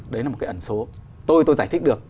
đấy là một cái ẩn số tôi tôi giải thích được